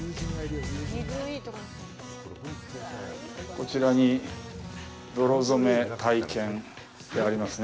こちらに泥染体験ってありますね。